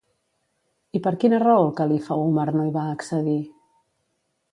I per quina raó el Califa Úmar no hi va accedir?